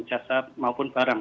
jasa maupun barang